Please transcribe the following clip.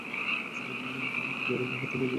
জীবন যেন বহতা নদী।